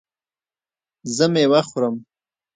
زه میوه خورم